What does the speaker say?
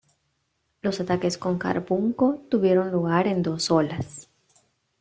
Los ataques con carbunco tuvieron lugar en dos olas.